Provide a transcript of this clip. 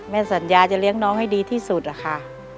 สัญญาจะเลี้ยงน้องให้ดีที่สุดอะค่ะ